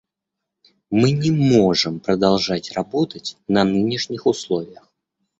Мы не можем продолжать работать на нынешних условиях.